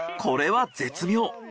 これは絶妙。